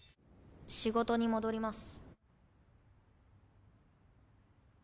仕事に戻ります。